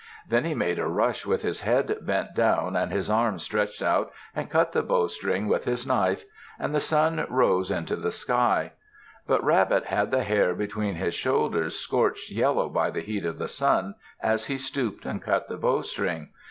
Then he made a rush with his head bent down and his arm stretched out, and cut the bowstring with his knife. And the Sun rose into the sky. But Rabbit had the hair between his shoulders scorched yellow by the heat of the Sun as he stooped and cut the bowstring.